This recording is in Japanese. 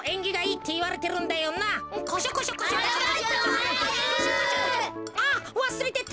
あっわすれてた。